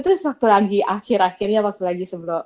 terus waktu lagi akhir akhir ya waktu lagi sebelum